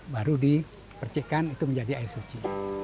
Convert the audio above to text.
baru dipercikan itu menjadi air suci